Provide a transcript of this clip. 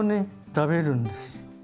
食べるんです。